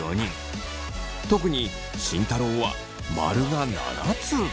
特に慎太郎は○が７つ！